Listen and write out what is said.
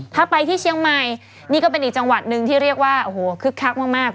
ถ้าไปที่เชียงใหม่นี่ก็เป็นอีกจังหวัดหนึ่งที่เรียกว่าโอ้โหคึกคักมาก